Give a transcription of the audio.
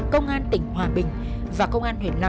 công an tỉnh hòa bình và công an huyện lao